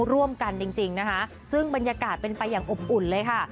ร่วมกันจริงนะคะซึ่งบรรยากาศเป็นไปอย่างอบอุ่นเลยค่ะ